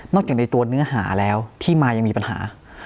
จากในตัวเนื้อหาแล้วที่มายังมีปัญหา